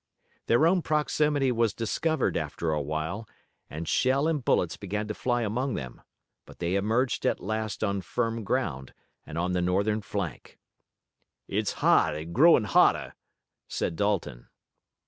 Their own proximity was discovered after a while, and shell and bullets began to fly among them, but they emerged at last on firm ground and on the Northern flank. "It's hot and growing hotter," said Dalton.